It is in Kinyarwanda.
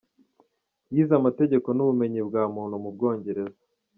Yize amategeko n’ubumenyi bwa muntu mu Bwongereza.